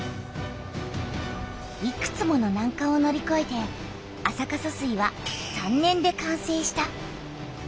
いくつものなんかんをのりこえて安積疏水は３年で完成した。